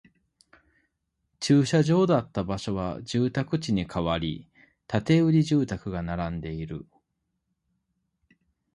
駐車場だった場所は住宅地に変わり、建売住宅が並んでいる